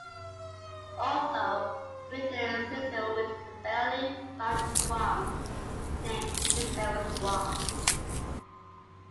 Also within Cicero is a fairly large swamp named Cicero Swamp.